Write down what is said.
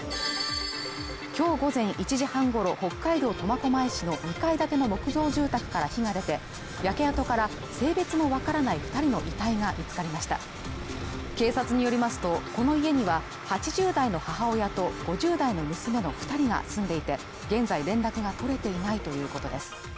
今日午前１時半ごろ北海道苫小牧市の２階建ての木造住宅から火が出て焼け跡から性別のわからない二人の遺体が見つかりました警察によりますとこの家には８０代の母親と５０代の娘の二人が住んでいて現在連絡が取れていないということです